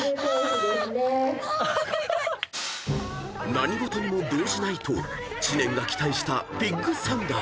［何事にも動じないと知念が期待したピッグサンダー］